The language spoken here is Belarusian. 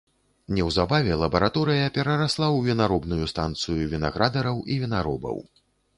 Неўзабаве лабараторыя перарасла ў вінаробную станцыю вінаградараў і вінаробаў.